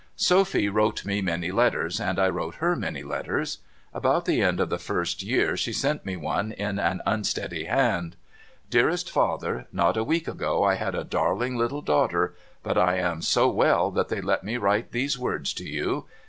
Sophy wrote me many letters, and I wrote her many letters. About the end of the first year she sent me one in an unsteady hand ;' Dearest father, not a week ago I had a darling little daughter, but I am so well that they let me write these words to you.